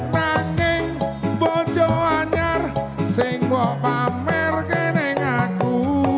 nangeng bojo anjar seng bopamer geneng aku